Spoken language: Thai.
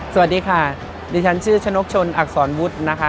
สวัสดีค่ะดิฉันชื่อชนกชนอักษรวุฒินะคะ